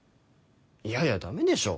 いやいや駄目でしょ。